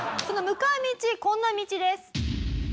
その向かう道こんな道です。